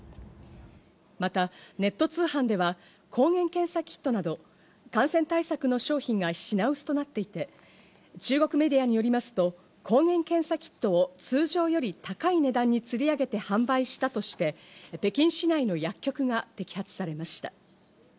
またネット通販では抗原検査キットなど感染対策の商品が品薄となっていて、中国メディアによりますと、抗原検査キットを通常より高い値段につり上げて販売したとして、北京市内の薬局が摘発されました。